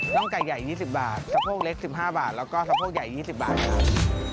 น้องไก่ใหญ่ยี่สิบบาทสะโพกเล็กสิบห้าบาทแล้วก็สะโพกใหญ่ยี่สิบบาทครับ